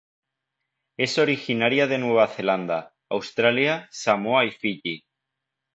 Es originaria de Nueva Zelanda, Australia, Samoa y Fiyi.